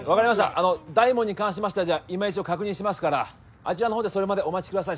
あの大門に関しましてはじゃあ今一度確認しますからあちらのほうでそれまでお待ちください。